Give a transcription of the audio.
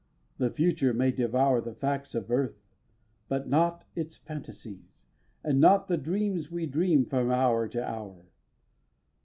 The Future may devour The facts of earth, but not its phantasies, And not the dreams we dream from hour to hour.